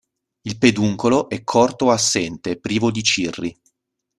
Il peduncolo è corto o assente, privo di cirri.